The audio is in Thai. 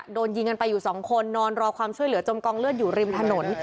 โดนยิงกันไปอยู่สองคนนอนรอความช่วยเหลือจมกองเลือดอยู่ริมถนน